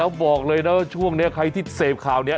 แล้วบอกเลยนะว่าช่วงนี้ใครที่เสพข่าวนี้